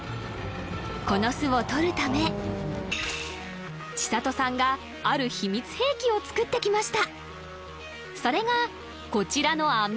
この巣を取るため千沙都さんがある秘密兵器を作ってきました